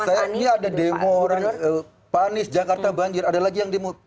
saya ini ada demo pak anies jakarta banjir ada lagi yang demo